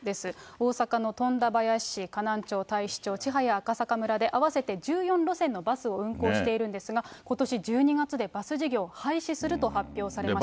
大阪の富田林市、河南町、太子町、ちはやあかさか村で合わせて１４路線のバスを運行しているんですが、ことし１２月でバス事業を廃止すると発表されました。